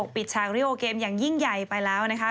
ปิดชาวเรียโอเกมอย่างยิ่งใหญ่ไปแล้วนะคะ